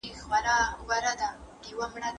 سرمایه داري د سرمایې په محور څرخي.